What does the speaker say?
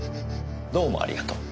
どうもありがとう。